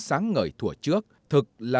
sáng ngời thủa trước thực là